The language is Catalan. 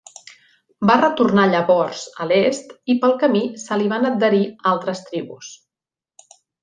Va retornar llavors a l'est i pel camí se li van adherir altres tribus.